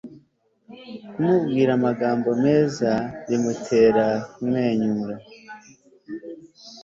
kumubwira amagambo meza bimutera kumwenyura